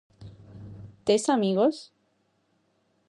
Tes amigos?